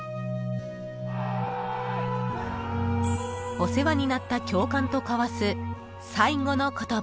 ［お世話になった教官と交わす最後の言葉］